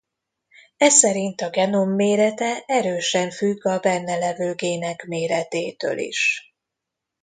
Eszerint a genom mérete erősen függ a benne levő gének méretétől is.